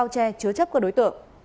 che chứa chấp các đối tượng